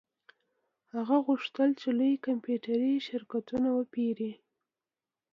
هغه غوښتل چې لوی کمپیوټري شرکتونه وپیري